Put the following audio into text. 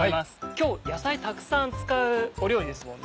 今日野菜たくさん使う料理ですもんね。